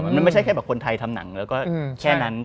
มันไม่ใช่แค่แบบคนไทยทำหนังแล้วก็แค่นั้น